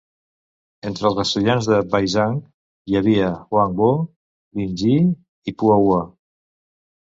Entre els estudiants de Baizhang hi havia Huangbo, Linji i Puhua.